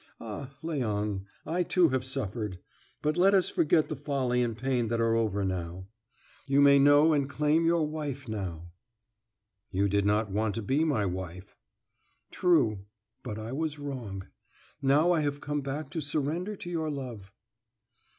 Ah, Léon, I too have suffered. But let us forget the folly and pain that are over now. You may know and claim your wife now." "You did not want to be my wife " "True, but I was wrong; now I have come back to surrender to your love."